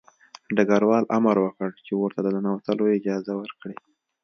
ډګروال امر وکړ چې ورته د ننوتلو اجازه ورکړي